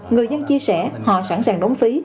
người dân chia sẻ họ sẵn sàng đóng phí